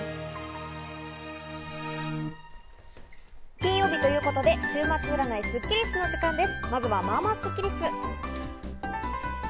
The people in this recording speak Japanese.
金曜日ということで週末占いスッキりすの時間です。